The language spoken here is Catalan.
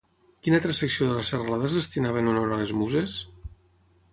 Quina altra secció de la serralada es destinava en honor a les Muses?